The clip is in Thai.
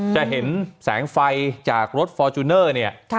จะเห็นแสงไฟจากรถฟอร์จูเนอร์เนี่ย